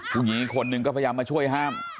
ผู้หญิงอีกคนนึงก็พยายามมาช่วยห้าม